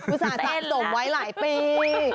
อุตส่าห์สะสมไว้หลายปี